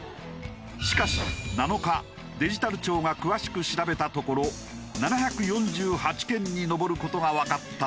しかし７日デジタル庁が詳しく調べたところ７４８件に上る事がわかったという。